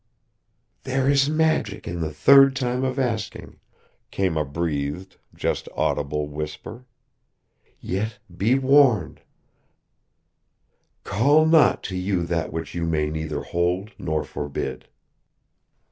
"There is magic in the third time of asking," came a breathed, just audible whisper. "Yet, be warned; call not to you that which you may neither hold nor forbid."